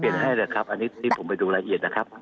ให้เลยครับอันนี้ที่ผมไปดูรายละเอียดนะครับ